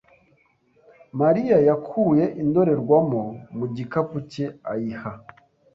Mariya yakuye indorerwamo mu gikapu cye ayiha .